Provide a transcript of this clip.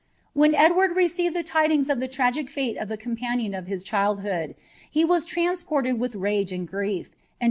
When Edward received the tidings of the tragic fate of the con" of his childhood, he was transported with rage and grief, and di.